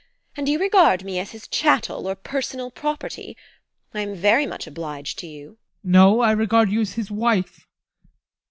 And you regard me as his chattel or personal property. I am very much obliged to you! ADOLPH. No, I regard you as his wife.